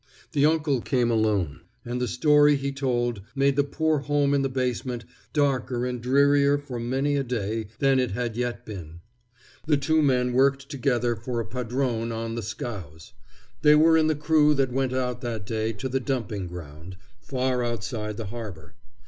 The uncle came alone, and the story he told made the poor home in the basement darker and drearier for many a day than it had yet been. The two men worked together for a padrone on the scows. They were in the crew that went out that day to the dumping ground, far outside the harbor.